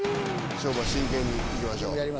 勝負は真剣にいきましょう。